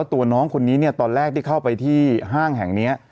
ตัวน้องคนนี้เนี่ยตอนแรกที่เข้าไปที่ห้างแห่งนี้